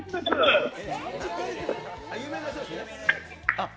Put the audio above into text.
あっ。